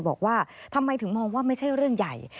บอกว่าทำไมถึงมองว่าไม่ใช่เรื่องใหญ่